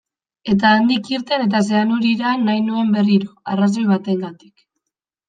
Eta handik irten eta Zeanurira nahi nuen berriro, arrazoi bategatik.